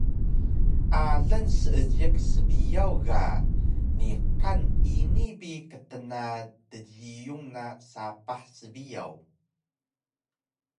Alang Seejiq sbiyaw ga niqan ini bi ktna djiyun na sapah sbiyaw